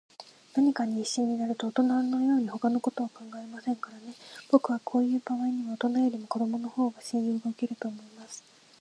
何かに一心になると、おとなのように、ほかのことは考えませんからね。ぼくはこういうばあいには、おとなよりも子どものほうが信用がおけると思います。